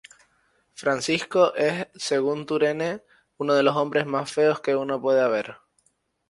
Francisco es, según Turenne ""uno de los hombres más feos que uno pueda ver"".